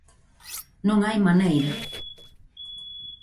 Non hai maneira.